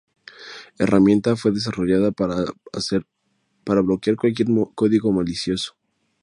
herramienta fue desarrollada para bloquear cualquier código malicioso